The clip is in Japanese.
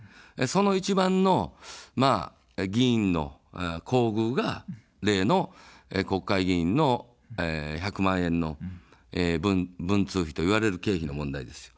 その一番の議員の厚遇が、例の国会議員の１００万円の文通費といわれる経費の問題です。